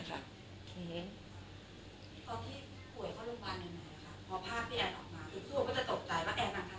ตกจ่ายว่าแอร์มางคังาหอมมากเลยแบบหอมมากทำมาอย่างเงี้ย